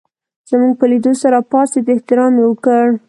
زموږ په لېدو سره پاڅېد احترام یې وکړ.